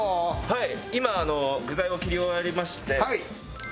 はい今具材を切り終わりまして。